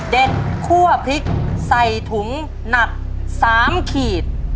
คั่วพริกใส่ถุงหนัก๓ขีด